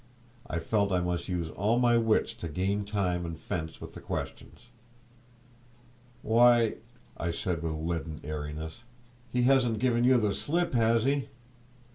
I felt I must use all my wits to gain time, and fence with the questions. "Why," I said, with a leaden airiness, "he hasn't given you the slip, has he?"